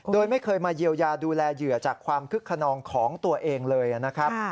โดยไม่เคยมาเยียวยาดูแลเหยื่อจากความคึกขนองของตัวเองเลยนะครับ